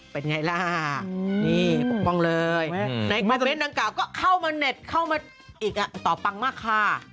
เป็นไงล่ะนี่ปกป้องเลยในคอมเมนต์ดังกล่าก็เข้ามาเน็ตเข้ามาอีกต่อปังมากค่ะ